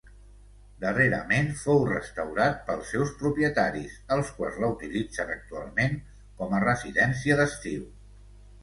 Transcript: Darrerament fou restaurat pels seus propietaris, els quals la utilitzen actualment com a residència d'estiu.